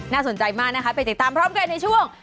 สนใจมากนะคะไปติดตามพร้อมกันในช่วง